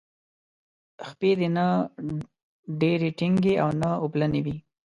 خپې دې نه ډیرې ټینګې او نه اوبلنې وي.